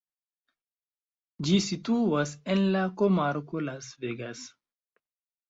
Ĝi situas en la komarko Las Vegas.